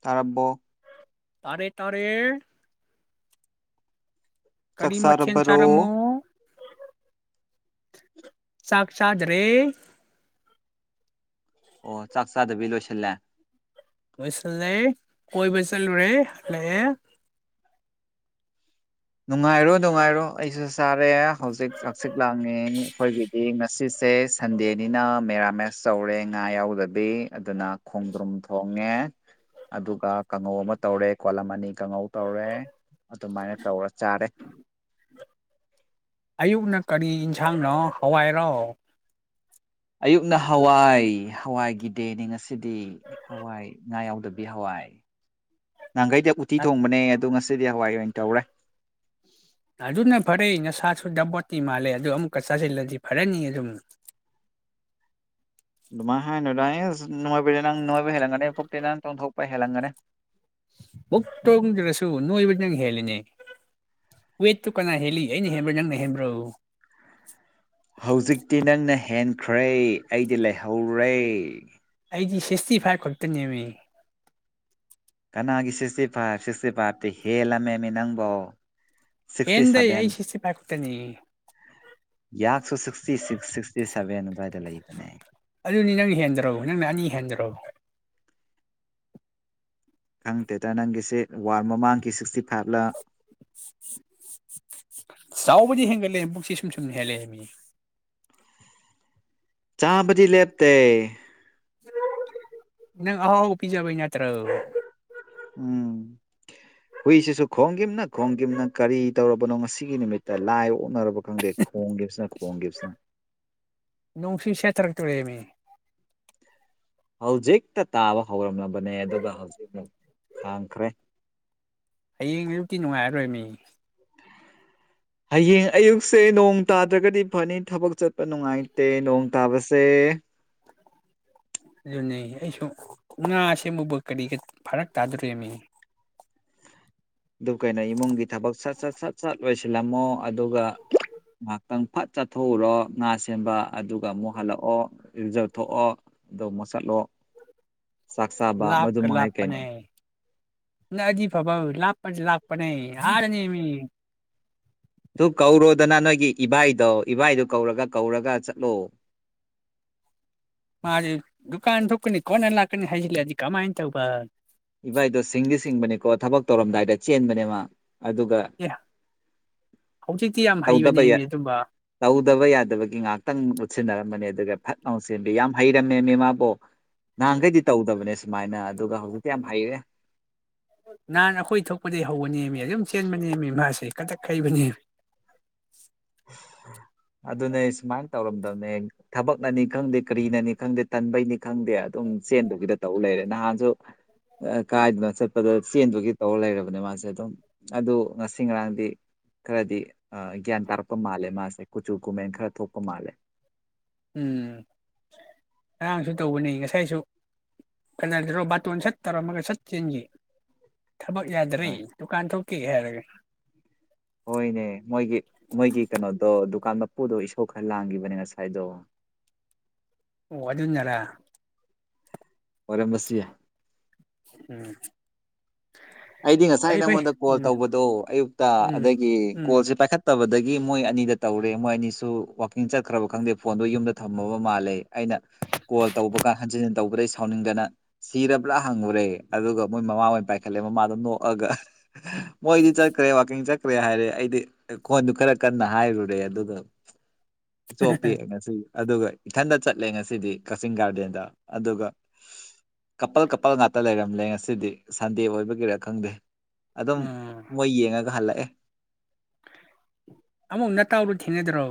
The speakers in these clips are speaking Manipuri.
ꯇꯔꯕꯣ ꯇꯥꯔꯦ ꯇꯥꯔꯦ ꯆꯥꯛ ꯀꯔꯤ ꯃꯊꯦꯜ ꯆꯥꯔꯝꯃꯣ ꯆꯥꯔꯕꯔꯣ ꯆꯥꯛ ꯆꯥꯗ꯭ꯔꯦ ꯑꯣ ꯆꯥꯛ ꯆꯥꯗꯕꯤ ꯂꯣꯏꯁꯤꯜꯂꯦ ꯂꯣꯏꯁꯜꯂꯦ ꯀꯣꯏꯕ ꯆꯠꯂꯨꯔꯦ ꯍꯜꯂꯛꯑꯦ ꯅꯨꯡꯉꯥꯏꯔꯣ ꯅꯨꯡꯉꯥꯏꯔꯣ ꯑꯩꯁꯨ ꯆꯥꯔꯦ ꯍꯧꯖꯤꯛ ꯆꯥꯛꯆꯤꯛ ꯂꯥꯡꯉꯤ ꯑꯩꯈꯣꯏꯒꯤꯗꯤ ꯉꯁꯤ ꯁꯦ ꯁꯟꯗꯦꯅꯤꯅ ꯃꯦꯔꯥꯃꯦꯁ ꯇꯧꯔꯦ ꯉꯥ ꯌꯥꯎꯗꯕꯤ ꯑꯗꯨꯅ ꯈꯣꯡꯗ꯭ꯔꯨꯝ ꯊꯣꯡꯉꯦ ꯑꯗꯨꯒ ꯀꯥꯡꯉꯧ ꯑꯃ ꯇꯧꯔꯦ ꯀꯣꯂꯝꯃꯅꯤ ꯀꯥꯡꯉꯧ ꯇꯧꯔꯦ ꯑꯗꯨꯃꯥꯏꯅ ꯇꯧꯔ [unintelligible] ꯑꯌꯨꯛꯅ ꯀꯔꯤ ꯏꯟꯁꯥꯡꯅꯣ ꯍꯋꯥꯏꯔꯣ ꯑꯌꯨꯛꯅ ꯍꯋꯥꯏ ꯍꯋꯥꯏꯒꯤ ꯗꯦꯅꯤ ꯉꯁꯤꯗꯤ ꯍꯋꯥꯏ ꯉꯥ ꯌꯥꯎꯗꯕꯤ ꯍꯋꯥꯏ ꯅꯍꯥꯟꯈꯩꯗꯤ ꯎꯇꯤ ꯊꯣꯡꯕꯅꯦ ꯑꯗꯨ ꯉꯁꯤꯗꯤ ꯍꯋꯥꯏ ꯑꯣꯏꯅ ꯇꯧꯔꯦ ꯑꯗꯨꯅ ꯐꯔꯦ ꯅꯁꯥꯁꯨ ꯗꯕꯣꯠꯇꯤ ꯃꯥꯜꯂꯦ ꯑꯗꯨ ꯑꯃꯨꯛꯀ ꯆꯥꯁꯤꯜꯂꯗꯤ ꯐꯔꯅꯤ ꯑꯗꯨꯝ [inaudible] ꯑꯗꯨꯃꯥꯏ ꯍꯥꯏꯅꯨꯗ ꯍꯦꯖ ꯅꯣꯏꯕꯗꯤ ꯅꯪ ꯅꯣꯏꯕ ꯍꯦꯂꯝꯒꯅꯤ ꯄꯨꯛꯇꯤ ꯅꯪ ꯇꯣꯡꯊꯣꯛꯄ ꯍꯦꯜꯂꯝꯒꯅꯤ ꯄꯨꯛ ꯇꯣꯡꯖꯔꯁꯨ ꯅꯣꯏꯕꯗꯤ ꯅꯪ ꯍꯦꯜꯂꯤꯅꯦ ꯋꯦꯠꯇꯨ ꯀꯅꯥ ꯍꯦꯜꯂꯤ ꯑꯩꯅ ꯍꯦꯟꯕ꯭ꯔꯣ ꯅꯪꯅ ꯍꯦꯟꯕ꯭ꯔꯣ ꯍꯧꯖꯤꯛꯇꯤ ꯅꯪꯅ ꯍꯦꯟꯈ꯭ꯔꯦ ꯑꯩꯗꯤ ꯂꯩꯍꯧꯔꯦ ꯑꯩꯗꯤ ꯁꯤꯁꯇꯤ ꯐꯥꯏꯞ ꯈꯛꯇ ꯅꯦꯝꯃꯤ ꯀꯅꯥꯒꯤ ꯁꯤꯁꯇꯤ ꯐꯥꯏꯚ ꯁꯤꯁꯇꯤ ꯐꯥꯏꯚꯇꯤ ꯍꯦꯜꯂꯝꯃꯦꯃꯤ ꯅꯪꯕꯣ ꯁꯤꯛꯁꯇꯤ ꯍꯦꯟꯗꯦ ꯑꯩ ꯁꯚꯦꯟ ꯁꯤꯁꯇꯤ ꯐꯥꯏꯞ ꯈꯛꯇꯅꯤ ꯌꯥꯛꯁꯨ ꯁꯤꯁꯇꯤ ꯁꯤꯛꯁ ꯁꯤꯛꯁꯇꯤ ꯁꯦꯚꯦꯟ ꯑꯗꯨꯋꯥꯏꯗ ꯂꯩꯕꯅꯦ ꯑꯗꯨꯅꯤ ꯅꯪꯅ ꯍꯦꯟꯗ꯭ꯔꯣ ꯅꯪꯅ ꯑꯅꯤ ꯍꯦꯟꯗ꯭ꯔꯣ ꯈꯪꯇꯦꯗ ꯅꯪꯒꯤꯁꯤ ꯋꯥꯔ ꯃꯃꯥꯡꯒꯤ ꯁꯤꯛꯁꯇꯤ ꯐꯥꯏꯞꯂꯥ ꯕꯨꯗꯤ ꯍꯦꯟꯒꯠꯂꯦ ꯄꯨꯛꯁꯤ ꯁꯨꯝ ꯁꯨꯝꯍꯦꯜꯂꯦꯃꯤ ꯆꯥꯕꯗꯤ ꯂꯦꯞꯇꯦ ꯅꯪ ꯑꯍꯥꯎ ꯑꯍꯥꯎ ꯄꯤꯖꯕꯩ ꯅꯠꯇ꯭ꯔꯣ ꯎꯝ ꯍꯨꯏꯁꯤꯁꯨ ꯈꯣꯡꯒꯤꯝꯅ ꯈꯣꯡꯒꯤꯝꯅ ꯀꯔꯤ ꯇꯧꯔꯕꯅꯣ ꯉꯁꯤꯒꯤ ꯅꯨꯃꯤꯠꯇ ꯂꯥꯏ ꯑꯣꯛꯅꯔꯕꯣ ꯈꯪꯗꯦ ꯈꯣꯡꯈꯤꯕꯁꯤꯅ ꯈꯣꯡꯈꯤꯕꯁꯤꯅ ꯅꯣꯡꯁꯤ ꯁꯦꯇꯔꯛꯇꯣꯔꯦꯃꯤ ꯍꯧꯖꯤꯛꯇ ꯇꯥꯕ ꯍꯧꯔꯝꯃꯕꯅꯦ ꯑꯗꯨꯒ ꯍꯧꯖꯤꯛ ꯃꯨꯛ ꯍꯥꯡꯈ꯭ꯔꯦ ꯍꯌꯦꯡ ꯑꯌꯨꯛꯇꯤ ꯅꯨꯡꯉꯥꯏꯔꯔꯣꯏ ꯃꯤ [inaudible] ꯍꯌꯦꯡ ꯑꯌꯨꯛꯁꯦ ꯅꯣꯡ ꯇꯥꯗ꯭ꯔꯒꯗꯤ ꯐꯅꯤ ꯊꯕꯛ ꯆꯠꯄ ꯅꯨꯡꯉꯥꯏꯇꯦ ꯅꯣꯡ ꯇꯥꯕꯁꯦ ꯑꯦ ꯑꯗꯨꯅꯦ ꯑꯩꯁꯨ ꯉꯥ ꯁꯤꯝꯕ ꯀꯔꯤ ꯀꯔꯤ ꯐꯥꯔꯛ ꯇꯥꯗꯣꯔꯦꯃꯤ ꯑꯗꯨ ꯀꯩꯅꯣ ꯏꯃꯨꯡꯒꯤ ꯊꯕꯛ ꯁꯠ ꯁꯠ ꯁꯠ ꯁꯠ ꯂꯣꯏꯁꯤꯜꯂꯝꯃꯣ ꯑꯗꯨꯒ ꯉꯛꯇꯪ ꯐꯠ ꯆꯠꯊꯣꯛꯎꯔꯣ ꯉꯥ ꯁꯦꯝꯕ ꯑꯗꯨꯒ ꯑꯃꯨꯛ ꯍꯜꯂꯛꯑꯣ ꯏꯔꯨꯖꯊꯣꯛꯑꯣ ꯑꯗꯣ ꯃꯣꯛ ꯆꯥꯠꯂꯣ ꯆꯥꯛ ꯆꯥꯕ ꯃꯗꯨ ꯂꯥꯞꯀ ꯃꯉꯥꯏ ꯀꯩꯅꯣ ꯂꯥꯞꯄꯅꯦ ꯅꯛꯑꯗꯤ ꯐꯥꯕ ꯂꯥꯞꯄꯗꯤ ꯂꯥꯛꯄꯅꯦ ꯑꯗꯅꯦꯃꯤ ꯇꯨ ꯀꯧꯔꯣꯗꯅ ꯅꯣꯏꯒꯤ ꯏꯚꯏꯗꯣ ꯏꯚꯏꯗꯨ ꯀꯧꯔꯒ ꯀꯧꯔꯒ ꯆꯥꯠꯂꯣ [inaudible] ꯃꯥꯗꯤ ꯗꯨꯀꯥꯟ ꯊꯣꯛꯀꯅꯤ ꯀꯣꯟꯅ ꯂꯥꯛꯀꯅꯤ ꯍꯥꯏꯖꯤꯜꯂꯛꯑꯗꯤ ꯀꯃꯥꯏꯟ ꯇꯧꯕ ꯏꯕꯥꯏꯗꯣ ꯁꯤꯡꯗꯤ ꯁꯤꯡꯕꯅꯤꯀꯣ ꯊꯕꯛ ꯇꯧꯔꯝꯗꯥꯏꯗ ꯆꯦꯟꯕꯅꯦꯃꯥ ꯑꯗꯨꯒ ꯑꯦ ꯍꯧꯖꯤꯛꯇꯤ ꯌꯥꯝ ꯇꯧꯗꯕ ꯍꯩꯕꯅꯦꯃꯤ ꯑꯗꯨꯝꯕ ꯇꯧꯗꯕ ꯌꯥꯗꯕꯒꯤ ꯉꯛꯇꯪ ꯎꯠꯁꯤꯟꯅꯔꯝꯃꯅꯤ ꯑꯗꯨꯒ ꯐꯠ ꯂꯥꯎ ꯆꯦꯟꯕ ꯌꯥꯝ ꯍꯩꯔꯝꯃꯦ ꯃꯤꯃꯕꯨ ꯅꯍꯥꯟꯒꯩꯗꯤ ꯇꯧꯗꯕꯅꯦ ꯁꯨꯃꯥꯏꯅ ꯑꯗꯨꯒ ꯍꯧꯖꯤꯛ ꯌꯝ ꯍꯩꯔꯦ ꯅꯍꯥꯟ ꯑꯩꯈꯣꯏ ꯊꯣꯛꯄꯗꯒꯤ ꯍꯧꯕꯅꯦꯃꯤ ꯑꯗꯨꯝ ꯆꯦꯟꯕꯅꯦꯃꯤ ꯃꯥꯁꯦ ꯀꯗꯛ ꯍꯩꯕꯅꯤ [inaudible] ꯑꯗꯨꯅꯦ ꯁꯨꯃꯥꯏꯅ ꯇꯧꯔꯝꯗꯕꯅꯦ ꯊꯕꯛꯅꯅꯤ ꯈꯪꯗꯦ ꯀꯔꯤꯅꯅꯤ ꯈꯪꯗꯦ ꯇꯟꯕꯩꯅꯤ ꯈꯪꯗꯦ ꯑꯗꯨꯝ ꯆꯦꯟꯗꯨꯒꯤꯗ ꯇꯩ ꯂꯩꯔꯦ ꯅꯍꯥꯟꯁꯨ ꯀꯥꯏꯗꯅ ꯆꯠꯄꯗ ꯆꯦꯟꯗꯨꯒꯤ ꯇꯧꯔ ꯂꯩꯔꯕ ꯃꯥꯁꯦ ꯑꯗꯨꯝ ꯑꯗꯨ ꯉꯁꯤ ꯉꯔꯥꯡꯗꯤ ꯈꯔꯗꯤ ꯒ꯭ꯌꯥꯟ ꯇꯥꯔꯛ ꯄ ꯃꯥꯜꯂꯦ ꯃꯥꯁꯦ ꯀꯨꯆꯨ ꯀꯨꯃꯦꯟ ꯈꯔ ꯊꯣꯛꯄ ꯃꯥꯜꯂꯦ ꯎꯝ ꯉꯔꯥꯡꯁꯨ ꯇꯧꯕꯅꯤ ꯉꯁꯥꯏꯁꯨ ꯀꯩꯅꯣ ꯇꯔꯣ ꯕꯥꯇꯣꯟ ꯁꯠ ꯇꯧꯔꯝꯃꯒ ꯁꯠ ꯆꯦꯟꯈꯤ ꯊꯕꯛ ꯌꯥꯗꯔꯦ ꯗꯨꯀꯥꯟ ꯊꯣꯛꯀꯦ ꯍꯥꯏꯔꯒ ꯍꯣꯏꯅꯦ ꯃꯣꯏꯒꯤ ꯃꯣꯏꯒꯤ ꯀꯩꯅꯣꯗꯣ ꯗꯨ ꯀꯥꯟ ꯃꯄꯨꯗꯣ ꯏꯁꯧ ꯈꯔ ꯂꯥꯡꯈꯤꯕꯅꯦ ꯉꯁꯥꯏꯗꯣ ꯑꯣ ꯑꯗꯨꯅꯔ ꯑꯣꯏꯔꯝꯕꯁꯨ ꯌꯥꯏ ꯎꯝ ꯑꯩꯗꯤ ꯉꯁꯥꯏ ꯐꯩ ꯐꯩ ꯅꯪꯉꯣꯟꯗ ꯀꯣꯜ ꯎꯝ ꯇꯧꯕꯗꯣ ꯑꯌꯨꯛꯇ ꯎꯝ ꯑꯗꯒꯤ ꯎꯝ ꯀꯣꯜꯁꯦ ꯄꯥꯏꯈꯠꯇꯕꯗꯩ ꯒꯤ ꯃꯣꯏ ꯑꯅꯤꯗ ꯇꯧꯔꯦ ꯃꯣꯏ ꯑꯅꯤꯁꯨ ꯋꯥꯛꯀꯤꯡ ꯆꯠꯈ꯭ꯔꯕ ꯈꯪꯗꯦ ꯐꯣꯟꯗꯣ ꯌꯨꯝꯗ ꯊꯝꯃꯕ ꯃꯥꯜꯂꯦ ꯑꯩꯅ ꯀꯣꯜ ꯇꯧꯕ ꯀꯥꯟ ꯍꯟꯖꯤꯟ ꯍꯟ ꯇꯧꯕꯗꯩ ꯁꯥꯎꯅꯤꯡꯗꯅ ꯁꯤꯔꯕ꯭ꯔꯥ ꯍꯪꯉꯨꯔꯦ ꯑꯗꯨꯒ ꯃꯣꯏ ꯃꯃꯥ ꯑꯣꯏꯅ ꯄꯥꯏꯈꯠꯂꯦ ꯃꯃꯥ ꯗꯣ ꯅꯣꯛꯑꯒ ꯃꯣꯏꯗꯤ ꯆꯠꯈ꯭ꯔꯦ ꯋꯥꯀꯤꯡ ꯆꯠꯈ꯭ꯔꯦ ꯍꯥꯏꯔꯦ ꯑꯩꯗꯤ ꯈꯣꯟꯗꯨ ꯈꯔ ꯀꯟꯅ ꯍꯥꯏ ꯊꯤꯂꯨꯔꯦ ꯑꯗꯨꯒ ꯆꯣꯄꯤ ꯑꯩ ꯉꯁꯤ ꯑꯗꯨꯒ ꯏꯊꯟꯗ ꯆꯠꯂꯦ ꯉꯁꯤꯗꯤ ꯀꯛꯆꯤꯡ ꯒꯥꯔꯗꯦꯟꯗ ꯑꯗꯨꯒ ꯀꯄꯜ ꯀꯄꯜ ꯉꯥꯛꯇ ꯂꯩꯔꯝꯂꯦ ꯉꯁꯤꯗꯤ ꯁꯟꯗꯦ ꯑꯣꯏꯕꯒꯤꯔ ꯈꯪꯗꯦ ꯑꯗꯨꯝ ꯎꯝ ꯃꯣꯏ ꯌꯦꯡꯉꯒ ꯍꯜꯂꯛꯑꯦ ꯑꯃ ꯅꯠꯇꯥꯎꯗꯨ ꯊꯦꯡꯅꯗ꯭ꯔꯣ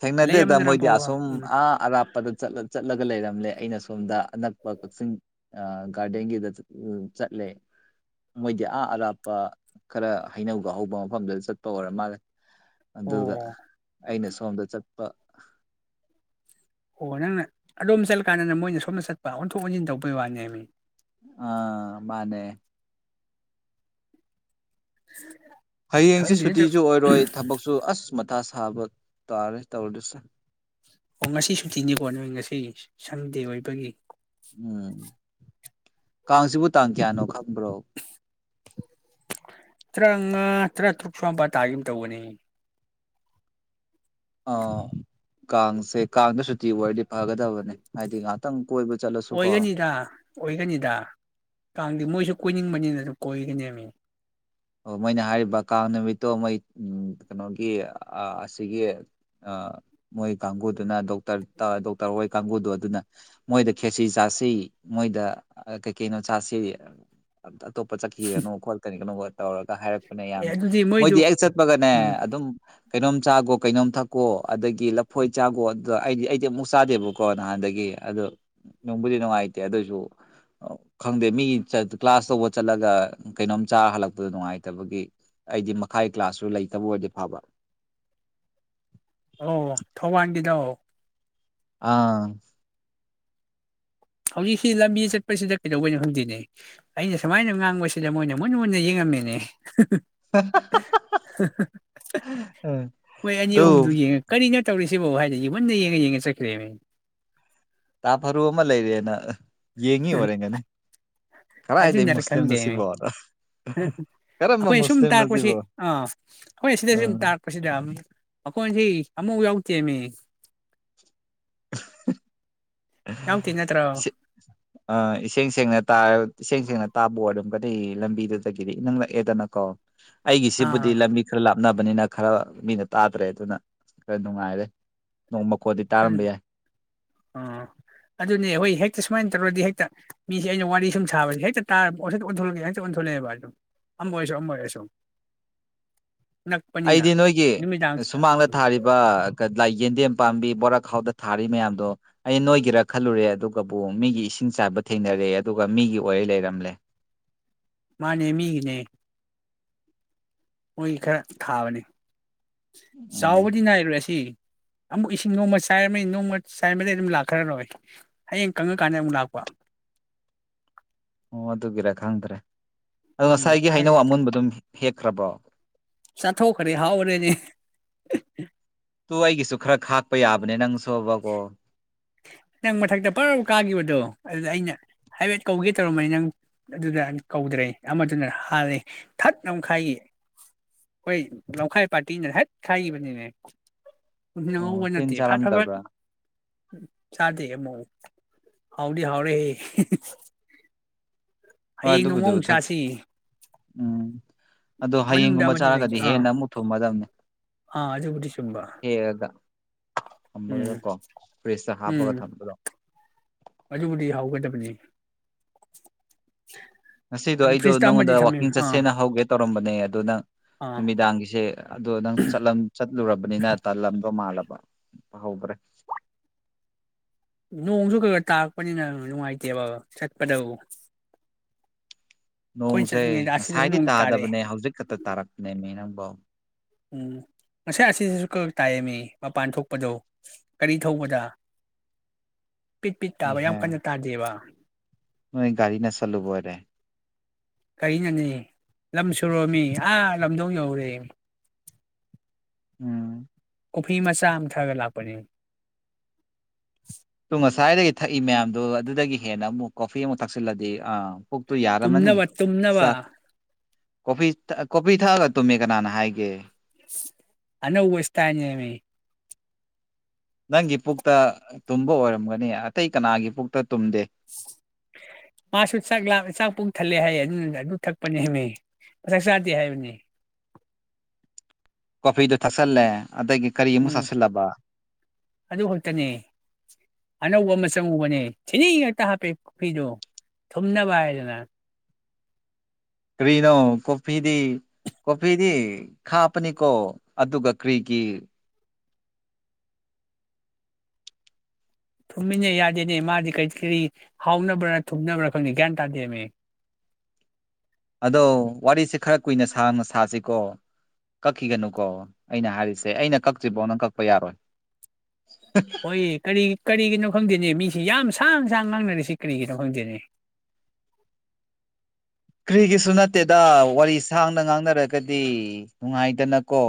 ꯊꯦꯡꯅꯗꯦꯗ ꯂꯩꯔꯝꯗ꯭ꯔꯕꯣ ꯃꯣꯏꯗꯤ ꯑꯁꯨꯝ ꯎꯝ ꯑ ꯑꯔꯥꯞꯄꯗ ꯆꯠꯂꯒ ꯂꯩꯔꯝꯂꯦ ꯑꯩꯅ ꯁꯣꯝꯗ ꯑꯅꯛꯄ ꯀꯛꯆꯤꯡ ꯒꯥꯔꯗꯦꯟꯒꯤꯗ ꯆꯠꯂ ꯂꯩ ꯃꯣꯏꯗꯤ ꯑꯥ ꯑꯔꯥꯞꯄ ꯈꯔ ꯍꯩꯅꯧꯒ ꯍꯧꯕ ꯃꯐꯝꯗꯨꯗ ꯆꯠꯄ ꯑꯣꯏꯔ ꯃꯥꯜꯂꯦ ꯑꯣ ꯑꯗꯨꯒ ꯑꯩꯅ ꯁꯣꯝꯗ ꯆꯠꯄ ꯑꯣ ꯅꯪꯅ ꯑꯗꯣꯝ ꯆꯠꯂꯀꯥꯟꯗ ꯃꯣꯏꯅ ꯁꯣꯝꯗ ꯆꯠꯄ ꯑꯣꯟꯊꯣꯛ ꯑꯣꯟꯁꯤꯟ ꯇꯧꯕꯩ ꯋꯥꯅꯦ ꯃꯤ ꯑꯥ ꯃꯥꯅꯦ [inaudible] ꯍꯌꯦꯡꯁꯦ ꯈꯪꯗꯦꯗ ꯁꯨꯇꯤꯁꯨ ꯑꯣꯏꯔꯣꯏ ꯊꯕꯛꯁꯨ ꯑꯁ ꯃꯊꯥ ꯁꯥꯕ ꯇꯥꯔꯦ ꯇꯧꯔꯤꯁꯦ ꯑꯣ ꯉꯁꯤ ꯁꯨꯇꯤꯅꯦꯀꯣ ꯅꯣꯏ ꯉꯁꯤ ꯁꯟꯗꯦ ꯑꯣꯏꯕꯒꯤ ꯎꯝ ꯀꯥꯡꯁꯤꯕꯨ ꯇꯥꯡ ꯀꯌꯥꯅꯣ ꯈꯪꯕ꯭ꯔꯣ [inaudible] ꯇꯔꯥꯃꯉꯥ ꯇꯔꯥ ꯇꯔꯨꯛ ꯁꯨꯋꯥꯄꯥ ꯇꯥꯒꯨꯝ ꯇꯧꯕꯅꯦ ꯑꯣ ꯀꯥꯡꯁꯦ ꯀꯥꯡꯗ ꯁꯨꯇꯤ ꯑꯣꯏꯔꯗꯤ ꯐꯒꯗꯕꯅꯦ ꯍꯥꯏꯗꯤ ꯉꯥꯏꯍꯥꯛꯇꯪ ꯀꯣꯏꯕ ꯆꯠꯂꯁꯨꯀꯣ ꯑꯣꯏꯒꯅꯤꯗ ꯑꯣꯏꯒꯅꯤꯗ ꯀꯥꯡꯗꯤ ꯃꯣꯏꯁꯨ ꯀꯣꯏꯅꯤꯡꯕꯅꯤꯅ ꯑꯗꯨꯝ ꯀꯣꯏꯒꯅꯦꯃꯤ ꯑꯣ ꯃꯣꯏꯅ ꯍꯥꯏꯔꯤꯕ ꯀꯥꯡ ꯅꯨꯃꯤꯠꯇꯣ ꯃꯣꯏ ꯀꯩꯅꯣꯒꯤ ꯑꯥ ꯑꯁꯤꯒꯤ ꯑꯥ ꯃꯣꯏ ꯀꯥꯡꯒꯨꯗꯨꯅ ꯗꯣꯛꯇꯔ ꯗꯣꯛꯇꯔ ꯍꯣꯏ ꯀꯥꯡꯒꯨꯗꯣ ꯑꯗꯨꯅ ꯃꯣꯏꯗ ꯈꯦꯆꯤ ꯆꯥ ꯁꯤ ꯃꯣꯏꯗ ꯀꯩ ꯀꯩꯅꯣ ꯆꯥꯁꯤ ꯑꯝꯇ ꯑꯇꯣꯞꯄ ꯆꯠꯈꯤꯒꯅꯣ ꯈꯣꯠꯀꯅꯣ ꯀꯩꯅꯣꯒ ꯇꯧꯔꯒ ꯍꯥꯏꯔꯛꯄꯅꯦ ꯑꯦ ꯌꯥꯝ ꯑꯗꯨꯗꯤ ꯃꯣꯏꯗꯨ ꯃꯣꯏꯗꯤ ꯍꯦꯛ ꯆꯠꯄꯒꯅꯦ ꯎꯝ ꯑꯗꯨꯝ ꯀꯩꯅꯣꯝ ꯆꯥꯈꯣ ꯀꯩꯅꯣꯝ ꯊꯛꯀꯣ ꯑꯗꯒꯤ ꯂꯐꯣꯏ ꯆꯥꯈꯣ ꯑꯗꯨꯗ ꯑꯩꯗꯤ ꯑꯩꯗꯤ ꯑꯃꯨꯛ ꯆꯥꯗꯦꯕꯀꯣ ꯅꯍꯥꯟꯗ ꯒꯤ ꯑꯗꯨ ꯅꯨꯡꯕꯨꯗꯤ ꯅꯨꯡꯉꯥꯏꯇꯦ ꯑꯗꯨꯁꯨ ꯈꯪꯗꯦ ꯃꯤ ꯀ꯭ꯂꯥꯁ ꯇꯧꯕ ꯆꯠꯂꯒ ꯀꯩꯅꯣꯝ ꯆꯥ ꯍꯜꯂꯛ ꯄꯗꯨ ꯅꯨꯡꯉꯥꯏꯇꯕꯒꯤ ꯑꯩꯗꯤ ꯃꯈꯥꯒꯤ ꯀ꯭ꯂꯥꯁꯁꯨ ꯂꯩꯇꯕ ꯑꯣꯏꯔꯗꯤ ꯐꯕ ꯑꯣ ꯊꯧꯕꯥꯟꯒꯤꯗꯣ ꯑꯥ ꯍꯧꯖꯤꯛꯁꯤ ꯂꯝꯕꯤ ꯆꯠꯄꯁꯤꯗ ꯀꯩꯗꯧꯕꯩꯅꯣ ꯈꯪꯗꯅꯦ ꯑꯩꯅ ꯁꯨꯃꯥꯏꯅ ꯉꯥꯡꯕꯁꯤꯗ ꯃꯣꯏꯅ ꯃꯨꯟꯅ ꯃꯨꯟꯅ ꯌꯦꯡꯉꯛ ꯅꯦ ꯍꯦꯍꯦ ꯑꯦ ꯃꯣꯏ ꯑꯅꯤ ꯇꯨ ꯑꯍꯨꯝꯗꯨ ꯌꯦꯡꯉ ꯀꯔꯤꯅꯣ ꯇꯧꯔꯤꯁꯤꯕꯨ ꯍꯥꯏꯔ ꯃꯨꯟꯅ ꯌꯦꯡꯉ ꯌꯦꯡꯉ ꯆꯠꯈ꯭ꯔꯦꯅꯦ ꯇꯥ ꯐꯔꯨ ꯑꯃ ꯂꯩꯔꯦꯅ ꯌꯦꯡꯉꯤ ꯑꯣꯏꯔꯝꯒꯅꯤ ꯀꯔꯥꯏꯗ ꯃꯨꯁꯂꯤꯝꯅꯣ ꯁꯤꯕꯣ ꯀꯔꯝꯕ ꯑꯩꯈꯣꯏ ꯁꯨꯝ ꯃꯨꯁꯂꯤꯝꯅꯣ ꯇꯥꯛꯔꯛꯄꯁꯤ ꯁꯤꯕꯣ ꯑꯥ ꯑꯩꯈꯣꯏ ꯁꯤꯗ ꯁꯨꯝ ꯎꯝ ꯇꯥꯛꯔꯛꯄꯁꯤꯗ ꯃꯈꯣꯟꯁꯤ ꯑꯃꯨꯛ ꯌꯥꯎꯇꯦꯃꯦ ꯅꯠꯇ꯭ꯔꯣ ꯁꯦ ꯑꯥ ꯏꯁꯦꯡ ꯁꯦꯡꯅ ꯇꯥꯔ ꯏꯁꯦꯡ ꯁꯦꯡꯅ ꯇꯥꯕ ꯑꯣꯏꯔꯝꯒꯅꯤ ꯂꯝꯕꯤꯗꯨꯗꯒꯤꯗꯤ ꯏꯅꯛ ꯅꯛꯑꯦꯗꯅꯀꯣ ꯑꯩꯒꯤꯁꯤꯕꯨꯗꯤ ꯑꯥ ꯂꯝꯕꯤ ꯈꯔ ꯂꯥꯞꯅꯕ ꯅꯤꯅ ꯈꯔ ꯃꯤꯅ ꯇꯥꯗ꯭ꯔꯦ ꯑꯗꯨꯅ ꯈꯔ ꯅꯨꯡꯉꯥꯏꯔꯦ ꯅꯣꯡ ꯃꯈꯣꯟꯗꯤ ꯑꯗꯨ ꯇꯥꯔꯝꯕ ꯌꯥꯏ ꯑꯥ ꯑꯗꯨꯅꯦ ꯍꯈꯣꯏ ꯍꯦꯛꯇ ꯁꯨꯃꯥꯏ ꯇꯧꯔꯗꯤ ꯍꯦꯛꯇ ꯃꯤꯁꯦ ꯑꯩꯅ ꯋꯥꯔꯤ ꯁꯨꯝ ꯁꯥꯕꯁꯦ ꯍꯦꯛꯇ ꯇꯥꯞ ꯑꯣꯟꯊꯂꯛꯒꯦ ꯍꯦꯛꯇ ꯑꯣꯟꯊꯂꯛ ꯂꯦꯕ ꯑꯗꯨꯝ ꯑꯝ ꯑꯣꯏꯔꯁꯨ ꯑꯝ ꯑꯣꯏꯔꯁꯨ ꯅꯛꯄꯅꯤꯅ ꯑꯩꯗꯤ ꯅꯣꯏꯒꯤ ꯅꯨꯃꯤꯗꯥꯡꯁꯤꯗ ꯁꯨꯃꯥꯡꯗ ꯎꯝ ꯊꯥꯔꯤꯕ ꯀꯥ ꯂꯥꯏ ꯌꯦꯟꯗꯦꯝ ꯄꯥꯝꯕꯤ ꯕꯣꯔꯥ ꯈꯥꯎꯗ ꯊꯥꯔꯤ ꯃꯌꯥꯝꯗꯣ ꯑꯩ ꯅꯣꯏꯒꯤꯔꯥ ꯈꯜꯂꯨꯔꯦ ꯑꯗꯨꯒꯕꯨ ꯃꯤꯒꯤ ꯏꯁꯤꯡ ꯆꯥꯏꯕ ꯊꯦꯡꯅꯔꯦ ꯂꯦ ꯑꯗꯨꯒ ꯃꯤꯒꯤ ꯑꯣꯏ ꯂꯩꯔꯝꯂꯦ ꯃꯥꯅꯦ ꯃꯤꯒꯤꯅꯦ ꯃꯣꯏ ꯈꯔ ꯊꯥꯕꯅꯤ ꯎꯝ ꯆꯥꯎꯕꯗꯤ ꯅꯥꯏꯔꯣꯏ ꯑꯁꯤ ꯑꯃꯨꯛ ꯏꯁꯤꯡ ꯅꯣꯡꯃ ꯆꯥꯏꯔꯝꯅꯤ ꯅꯣꯡꯃ ꯆꯥꯏꯔꯝꯕꯗꯩ ꯑꯗꯨꯝ ꯂꯥꯛꯈ꯭ꯔꯔꯣꯏ ꯍꯌꯦꯡ ꯀꯪꯉ ꯀꯥꯟꯗ ꯑꯃꯨꯛ ꯂꯥꯛꯄ [inaudible] ꯑꯣ ꯑꯗꯨꯒꯤꯔ ꯈꯪꯗ꯭ꯔꯦ ꯑꯗꯣ ꯎꯝ ꯉꯁꯥꯏꯒꯤ ꯍꯩꯅꯧ ꯈꯔꯗꯤ ꯑꯃꯨꯟꯕꯗꯨꯝ ꯍꯦꯛꯈ꯭ꯔꯕꯣ ꯆꯥꯊꯣꯛꯗ꯭ꯔꯦ ꯍꯥꯎꯕꯅꯦꯅꯦ ꯇꯨ ꯑꯩꯒꯤꯁꯨ ꯈꯔ ꯈꯥꯛꯄ ꯌꯥꯕꯅꯦ ꯅꯪꯁꯣꯕꯀꯣ ꯅꯪ ꯃꯊꯛꯇ ꯄꯔꯞ ꯀꯥꯒꯤꯕꯗꯣ ꯑꯗꯨꯗ ꯑꯩꯅ ꯍꯥꯏꯐꯦꯠ ꯀꯧꯒꯦ ꯇꯧꯔꯝꯕꯅꯤ ꯅꯪ ꯑꯗꯨꯗ ꯀꯧꯗ꯭ꯔꯦ ꯑꯃꯗꯨꯅ ꯍꯥꯜꯂꯦ ꯊꯠ ꯅꯝꯈꯥꯏꯒꯤ ꯍꯣꯏ ꯂꯝꯈꯥꯏ ꯄꯥꯔꯇꯤꯅ ꯍꯠ ꯈꯥꯏꯒꯤꯕꯅꯦꯃꯦ ꯅꯪꯍꯧꯕ ꯑꯣ ꯇꯤꯟ ꯅꯠꯇꯦ ꯐꯠ ꯐꯠ ꯐꯠ ꯆꯥꯔꯝꯗꯕ꯭ꯔꯥ ꯆꯥꯗꯦ ꯑꯃꯣ ꯍꯥꯎꯗꯤ ꯍꯥꯎꯔꯦꯍꯦ ꯍꯣꯏ ꯍꯌꯦꯡ ꯑꯗꯨꯕꯨꯗꯤ ꯅꯣꯡꯃꯃꯨꯛ ꯃꯊꯛ ꯆꯥꯁꯤ ꯎꯝ ꯑꯗꯣ ꯃꯅꯨꯡꯗ ꯍꯌꯦꯡꯒꯨꯝꯕ ꯑꯃꯗꯤ ꯂꯩꯒꯦ ꯆꯥꯔꯒꯗꯤ ꯑꯥ ꯍꯦꯟꯅ ꯑꯃꯨꯛ ꯊꯨꯝꯃꯗꯝꯅꯦ ꯑꯥ ꯑꯗꯨꯕꯨꯗꯤ ꯆꯨꯝꯕ ꯎꯝ ꯊꯝꯃꯒꯀꯣ ꯐꯔꯤꯖꯇ ꯍꯥꯞꯄꯒ ꯎꯝ ꯊꯝꯕꯗꯣ ꯑꯗꯨꯕꯨꯗꯤ ꯍꯥꯎꯒꯗꯕꯅꯦ ꯉꯁꯤꯗꯣ ꯑꯗꯨ ꯑꯩꯗꯣ ꯐ꯭ꯔꯤꯖꯇ ꯑꯃꯗꯤ ꯅꯉꯣꯟꯗ ꯊꯝꯃꯤ ꯋꯥꯛꯀꯤꯡ ꯑꯥ ꯆꯠꯁꯦꯅ ꯍꯧꯒꯦ ꯇꯧꯔꯝꯕꯅꯦ ꯑꯗꯨ ꯅꯪ ꯑꯥ ꯅꯨꯃꯤꯗꯥꯡꯒꯤꯁꯦ ꯑꯗꯣ ꯅꯪ ꯆꯠꯂꯝ ꯆꯠꯂꯨꯔꯕꯅꯤꯅ ꯇꯜꯂꯝꯗꯣ ꯃꯥꯜꯂ ꯕ ꯅ ꯍꯧꯗ꯭ꯔꯦ ꯅꯣꯡꯖꯨ ꯈꯒ ꯇꯥꯛꯔꯛꯄꯅꯤꯅ ꯅꯨꯡꯉꯥꯏꯇꯦꯕ ꯆꯠꯄꯗꯣ ꯅꯣꯡꯁꯦ ꯑꯁꯤꯗꯁꯨ ꯉꯁꯥꯏꯗꯤ ꯅꯣꯡ ꯇꯥꯔꯛꯑꯦ ꯇꯥꯗꯕꯅꯦ ꯍꯧꯖꯤꯛ ꯈꯛꯇ ꯇꯥꯔꯛꯄꯅꯦꯃꯤ ꯅꯪꯕꯣ ꯎꯝ ꯉꯁꯥꯏ ꯑꯁꯤꯗꯁꯨ ꯈꯈꯛ ꯇꯥꯏꯌꯦꯃꯤ ꯃꯄꯥꯟ ꯊꯣꯛꯄꯗꯣ ꯀꯔꯤ ꯊꯧꯕꯗ [inaudible] ꯄꯤꯠ ꯄꯤꯠ ꯇꯥꯕ ꯌꯥꯝ ꯏꯍꯦ ꯀꯟꯅ ꯇꯥꯗꯦꯕ ꯅꯣꯏ ꯒꯥꯔꯤꯅ ꯁꯠꯂꯨꯕ ꯑꯣꯏꯔꯦ ꯀꯔꯤꯅꯣꯅꯦ ꯂꯝꯁꯨꯔꯣꯃꯤ ꯑꯥ ꯂꯝꯗꯣꯡ ꯌꯧꯔꯨꯔꯦ ꯎꯝ ꯀꯣꯐꯤ ꯃꯆꯥ ꯑꯝ ꯊꯛꯑꯒ ꯂꯥꯛꯄꯅꯦ ꯗꯨ ꯉꯁꯥꯏꯗꯒꯤ ꯊꯛꯏ ꯃꯌꯥꯝꯗꯣ ꯑꯗꯨꯗꯒꯤ ꯍꯦꯟꯅ ꯑꯃꯨꯛ ꯀꯣꯐꯤ ꯑꯃꯨꯛ ꯊꯛꯆꯜꯂꯗꯤ ꯑꯥ ꯄꯨꯛꯇꯣ ꯌꯥꯔꯝꯃꯅꯤ ꯇꯨꯝꯅꯕ ꯇꯨꯝꯅꯕ ꯆꯥꯛ ꯀꯣꯐꯤ ꯊꯛꯑ ꯀꯣꯐꯤ ꯊꯛꯑꯒ ꯇꯨꯝꯃꯦ ꯀꯅꯥꯅ ꯍꯥꯏꯒꯦ ꯑꯅꯧꯕ ꯁ꯭ꯇꯥꯏꯟꯅꯦꯃꯤ ꯅꯪꯒꯤ ꯄꯨꯛꯇ ꯇꯨꯝꯕ ꯑꯣꯏꯔꯝꯒꯅꯤ ꯑꯇꯩ ꯀꯅꯥꯒꯤ ꯄꯨꯛꯇ ꯇꯨꯝꯗꯦ ꯃꯥꯁꯨ ꯆꯥꯛ ꯂꯥꯝ ꯆꯥꯛ ꯄꯨꯡ ꯊꯜꯂꯦ ꯍꯥꯏꯌꯦ ꯑꯗꯨꯗꯨꯅ ꯑꯗꯨ ꯊꯛꯄꯅꯦꯃꯦ ꯆꯥꯛ ꯆꯥꯗꯦ ꯍꯥꯏꯕꯅꯦ ꯀꯣꯐꯤꯗꯣ ꯊꯛꯆꯜꯂꯦ ꯑꯗꯒꯤ ꯀꯔꯤ ꯑꯃꯨꯛ ꯎꯝ ꯆꯥꯁꯜꯂꯕ ꯑꯗꯨ ꯈꯛꯇꯅꯦ ꯑꯅꯧꯕ ꯑꯃ ꯆꯪꯉꯨꯕꯅꯦ ꯊꯤꯔꯤ ꯉꯥꯛꯇ ꯍꯥꯞꯄꯦ ꯀꯣꯐꯤꯗꯣ ꯊꯨꯝꯅꯕ ꯍꯥꯏꯗꯅ ꯀ꯭ꯔꯤꯅꯣ ꯀꯣꯐꯤꯗꯤ ꯀꯣꯐꯤꯗꯤ ꯈꯥꯄꯅꯤꯀꯣ ꯑꯗꯨꯒ ꯀ꯭ꯔꯤꯒꯤ ꯊꯨꯝꯃꯦꯅꯦ ꯌꯥꯗꯦꯅꯦ ꯃꯥꯗꯤ ꯀꯩ ꯀꯔꯤ ꯍꯥꯎꯅꯕ꯭ꯔꯥ ꯊꯨꯝꯅꯕ꯭ꯔꯥ ꯈꯪꯗꯦ ꯒ꯭ꯌꯥꯟ ꯇꯥꯗꯦꯃꯦ ꯑꯗꯣ ꯋꯥꯔꯤꯁꯦ ꯈꯔ ꯀꯨꯏꯅ ꯁꯥꯡꯅ ꯁꯥꯁꯤꯀꯣ ꯀꯛꯈꯤꯒꯅꯨꯀꯣ ꯑꯩꯅ ꯍꯥꯏꯔꯤꯁꯦ ꯑꯩꯅ ꯀꯛꯇ꯭ꯔꯤꯕꯧ ꯅꯪ ꯀꯛꯄ ꯌꯥꯔꯣꯏ ꯍꯣꯏꯌꯦ ꯀꯔꯤ ꯀꯔꯤꯒꯤꯅꯣ ꯈꯪꯗꯦꯅꯦ ꯃꯤ ꯁꯤ ꯌꯥꯝ ꯁꯥꯡ ꯁꯥꯡ ꯉꯥꯡꯅꯔꯤꯁꯤ ꯀ꯭ꯔꯤꯒꯤꯅꯣ ꯈꯪꯗꯦꯅꯦ ꯀ꯭ꯔꯤꯒꯤꯁꯨ ꯅꯠꯇꯦꯗ ꯋꯥꯔꯤ ꯁꯥꯡꯅ ꯉꯥꯡꯅꯔꯒꯗꯤ ꯅꯨꯡꯉꯥꯏꯗꯅꯀꯣ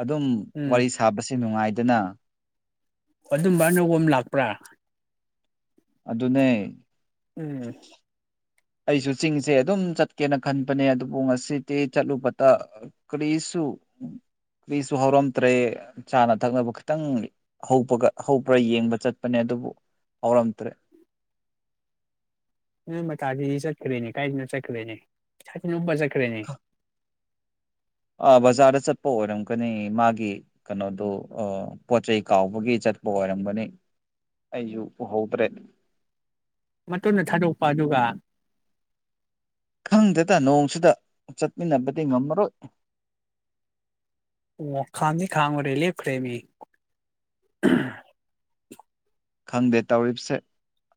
ꯑꯗꯨꯝ ꯎꯝ ꯋꯥꯔꯤ ꯁꯥꯕꯁꯦ ꯅꯨꯡꯉꯥꯏꯗꯅꯥ ꯑꯗꯨꯝꯕ ꯑꯅꯧꯕ ꯑꯝ ꯂꯥꯛꯄ꯭ꯔꯥ ꯑꯗꯨꯅꯦ ꯎꯝ ꯑꯩꯁꯨ ꯆꯤꯡꯁꯦ ꯑꯗꯨꯝ ꯆꯠꯀꯦꯅ ꯈꯟꯕꯅꯦ ꯑꯗꯨꯕꯨ ꯉꯁꯤꯗꯤ ꯆꯠꯂꯨꯕꯗ ꯀꯔꯤꯁꯨ ꯎ ꯀ꯭ꯔꯤꯁꯨ ꯍꯧꯔꯝꯗ꯭ꯔꯦ ꯆꯥꯅ ꯊꯛꯅꯕ ꯈꯤꯇꯪ ꯍꯧꯕꯒ ꯍꯧꯕ꯭ꯔꯥ ꯌꯦꯡꯕ ꯆꯠꯄꯅꯦ ꯑꯗꯨꯕꯨ ꯍꯧꯔꯝꯗ꯭ꯔꯦ ꯅꯣꯏ ꯃꯇꯥꯗꯤ ꯆꯠꯈ꯭ꯔꯦꯅꯦ ꯀꯥꯏꯗꯅꯣ ꯆꯠꯈ꯭ꯔꯦꯅꯦ ꯁꯥꯇꯤꯟ ꯎꯞꯄ ꯆꯠꯈ꯭ꯔꯦꯅꯦ ꯑꯥ ꯕꯖꯥꯔꯗ ꯆꯠꯄ ꯑꯣꯏꯔꯝꯒꯅꯤ ꯃꯥꯒꯤ ꯀꯩꯅꯣꯗꯨ ꯑꯥ ꯄꯣꯠꯆꯩ ꯀꯥꯎꯕꯒꯤ ꯆꯠ ꯄ ꯑꯣꯏꯔꯝꯒꯅꯤ ꯑꯩꯁꯨ ꯎꯍꯧꯗ꯭ꯔꯦ ꯃꯇꯨꯟꯗ ꯊꯥꯗꯣꯛꯄ ꯑꯗꯨꯒ ꯈꯪꯗꯦꯗ ꯅꯣꯡꯁꯤꯗ ꯆꯠꯃꯤꯟꯅꯕꯗꯤ ꯉꯝꯃꯔꯣꯏ ꯑꯣ ꯈꯥꯟꯗꯤ ꯈꯥꯝꯒ꯭ꯔꯦ ꯂꯦꯞꯈ꯭ꯔꯦꯃꯦ ꯈꯪꯗꯦ ꯇꯧꯔꯤꯞꯁꯦ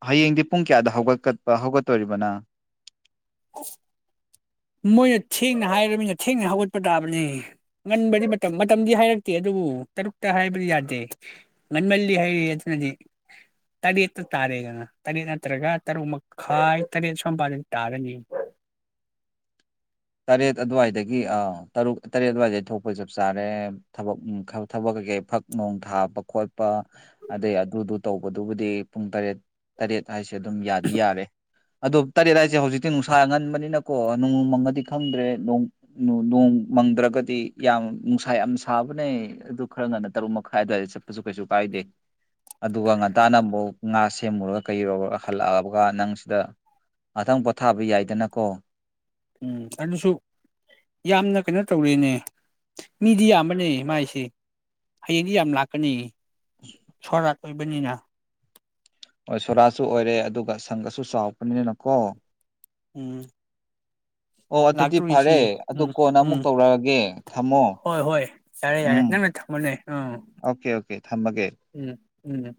ꯍꯌꯦꯡꯗꯤ ꯄꯨꯡ ꯀꯌꯥꯗ ꯍꯧꯒꯠꯀ ꯍꯧꯒꯠꯇꯣꯏꯔꯤꯕ ꯅꯪ [inaudible] ꯃꯣꯏꯅ ꯊꯦꯡꯅ ꯍꯥꯏꯔꯝꯅꯤꯅ ꯊꯦꯡꯅ ꯍꯧꯒꯠꯄ ꯇꯥꯕꯅꯦ ꯉꯟꯕꯗꯤ ꯃꯇꯝ ꯃꯇꯝꯗꯤ ꯍꯥꯏꯔꯛꯇꯦ ꯑꯗꯨ ꯑꯣ ꯇꯔꯨꯛꯇ ꯍꯥꯏꯕꯗꯤ ꯌꯥꯗꯦ ꯉꯟꯃꯜꯂꯤ ꯍꯥꯏꯔꯤ ꯑꯗꯨꯅꯗꯤ ꯇꯔꯦꯠꯇ ꯇꯥꯔꯦꯗꯅ ꯇꯔꯦꯠ ꯅꯠꯇ꯭ꯔꯒ ꯇꯔꯨꯛ ꯃꯈꯥꯏ ꯇꯔꯦꯠ ꯁ꯭ꯋꯥꯝꯄꯥꯗꯗꯤ ꯇꯥꯔꯅꯤ [inaudible] ꯇꯔꯦꯠ ꯑꯗꯨꯋꯥꯏꯗꯒꯤ ꯑꯥ ꯇꯔꯨꯛ ꯇꯔꯦꯠ ꯑꯗꯨꯋꯥꯏꯗꯩ ꯊꯣꯛꯄ ꯆꯞ ꯆꯥꯔꯦ ꯊꯕꯛ ꯎꯝ ꯊꯕꯛ ꯀꯀꯩ ꯐꯛ ꯅꯣꯡ ꯊꯥꯕ ꯈꯣꯠꯄ ꯑꯗꯩ ꯑꯗꯨꯗꯨ ꯇꯧꯕꯗꯨꯕꯨꯗꯤ ꯄꯨꯡ ꯇꯔꯦꯠ ꯇꯔꯦꯠ ꯍꯥꯏꯁꯤ ꯑꯗꯨꯝ ꯌꯥꯗꯤ ꯌꯥꯔꯦ ꯑꯗꯣ ꯇꯔꯦꯠ ꯍꯥꯏꯁꯦ ꯍꯧꯖꯤꯛꯇꯤ ꯅꯨꯡꯁꯥ ꯑꯥ ꯉꯟꯕꯅꯤꯅꯀꯣ ꯅꯣꯡ ꯃꯪꯑꯗꯤ ꯈꯪꯗ꯭ꯔꯦ ꯅꯣꯡ ꯅꯣꯡ ꯃꯪꯗ꯭ꯔꯒꯗꯤ ꯌꯥꯝ ꯅꯨꯡꯁꯥ ꯌꯥꯝ ꯁꯥꯕꯅꯦ ꯑꯗꯨ ꯈꯔ ꯉꯟꯅ ꯇꯔꯨꯛ ꯃꯈꯥꯏ ꯑꯗꯨꯋꯥꯏꯗꯩ ꯆꯠꯄꯁꯨ ꯀꯩꯁꯨ ꯀꯥꯏꯗꯦ ꯑꯗꯨꯒ ꯉꯟꯇꯥꯅ ꯑꯃꯨꯛ ꯉꯥ ꯁꯦꯝ ꯁꯦꯝꯃꯨꯔꯒ ꯀꯩꯔꯣ ꯍꯜꯂꯛꯑꯕꯒ ꯅꯪꯁꯤꯗ ꯉꯇꯪ ꯄꯣꯊꯥꯕ ꯌꯥꯏꯗꯅꯀꯣ ꯎꯝ ꯑꯗꯨꯁꯨ ꯌꯥꯝꯅ ꯀꯩꯅꯣ ꯇꯧꯔꯤꯅꯦ ꯃꯤꯗꯤ ꯌꯥꯝꯕꯅꯦ ꯃꯥꯏꯁꯦ ꯍꯌꯦꯡꯗꯤ ꯌꯥꯝ ꯂꯥꯛꯀꯅꯤ ꯁꯣꯔꯥꯠ ꯑꯣꯏꯕꯅꯤꯅ ꯍꯣ ꯁꯣꯔꯥꯁꯨ ꯑꯣꯏꯔꯦ ꯑꯗꯨꯒ ꯁꯪꯒꯁꯨ ꯆꯥꯎꯕꯅꯤꯅꯀꯣ ꯎꯝ ꯑꯣ ꯑꯗꯨꯗꯤ ꯐꯔꯦ ꯂꯥꯛꯇꯣꯔꯤꯁꯤ ꯑꯗꯨ ꯎꯝ ꯀꯣꯟꯅ ꯑꯃꯨꯛ ꯎꯝ ꯇꯧꯔꯛꯑꯒꯦ ꯊꯝꯃꯣ ꯍꯣꯏ ꯍꯣꯏ ꯌꯥꯔꯦ ꯌꯥꯔꯦ ꯎꯝ ꯅꯪ [unintelligible] ꯑꯣꯀꯦ ꯑꯣꯀꯦ ꯊꯝꯃꯒꯦ ꯎꯝ